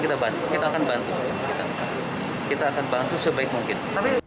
kita pasti akan bantu kita akan bantu sebaik mungkin